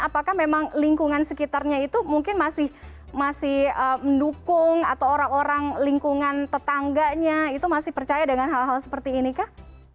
apakah memang lingkungan sekitarnya itu mungkin masih mendukung atau orang orang lingkungan tetangganya itu masih percaya dengan hal hal seperti ini kah